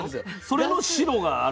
それの白があるわけ？